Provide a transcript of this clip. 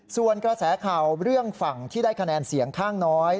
ส่วนกระแสข่าวเรื่องฝั่งที่ได้คะแนนเสียงข้างน้อย